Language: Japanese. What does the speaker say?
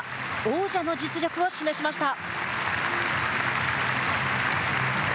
王者の実力を示しました。